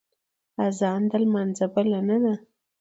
اذان د لمانځه بلنه ده